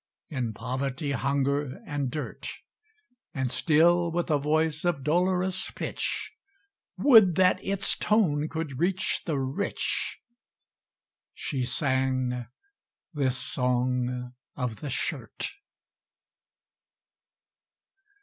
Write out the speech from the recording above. In poverty, hunger, and dirt, And still with a voice of dolorous pitch Would that its tone could reach the Rich! She sang this "Song of the Shirt!"